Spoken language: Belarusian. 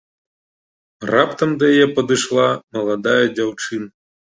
Раптам да яе падышла маладая дзяўчына.